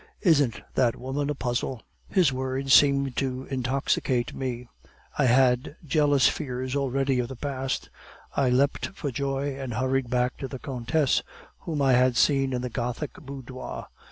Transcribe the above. Isn't that woman a puzzle?' "His words seemed to intoxicate me; I had jealous fears already of the past. I leapt for joy, and hurried back to the countess, whom I had seen in the gothic boudoir.